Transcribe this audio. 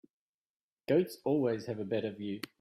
Goats always have a better view.